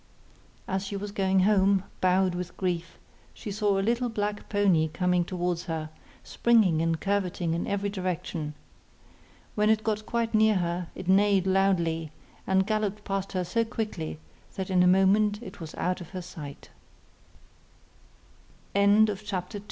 As she was going home, bowed with grief, she saw a little black pony coming towards her, springing and curveting in every direction. When it got quite near her it neighed loudly, and galloped past her so quickly that in a moment it was out of he